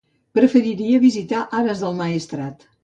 Preferiria visitar Ares del Maestrat.